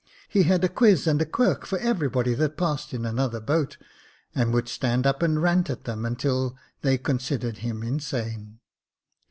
He had a quiz and a quirk for everybody that passed in another boat, and would stand up and rant at them until they considered him insane.